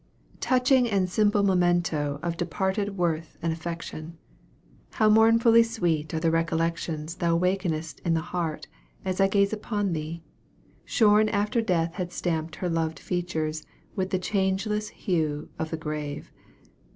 Touching and simple memento of departed worth and affection! how mournfully sweet are the recollections thou awakenest in the heart, as I gaze upon thee shorn after death had stamped her loved features with the changeless hue of the grave.